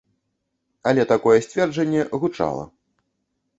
Але такое сцверджанне гучала.